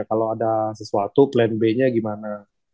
kalau ada sesuatu plan b nya gimana